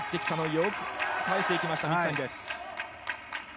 よく返していきました、水谷です。